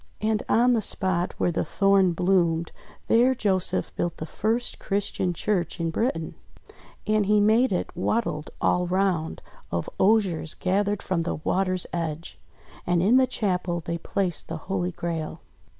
And on the spot where the Thorn bloomed, there Joseph built the first Christian church in Britain. And he made it "wattled all round" of osiers gathered from the water's edge. And in the chapel they placed the Holy Grail.